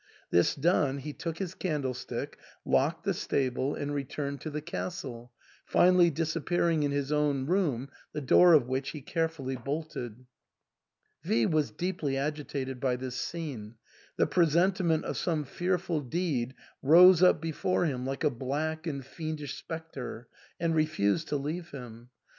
This done, he took his candlestick, locked the stable, and returned to the castle, finally disappearing in his own room, the door of which he carefully bolted. V was deeply agitated by this scene ; the presentiment of some fearful deed rose up before him like a black and fiendish spectre, and refused to leave him.